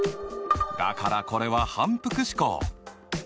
だからこれは反復試行！